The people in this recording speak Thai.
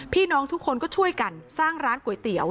พี่น้องทุกคนก็ช่วยกันสร้างร้านก๋วยเตี๋ยว